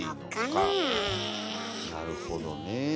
なるほどねえ。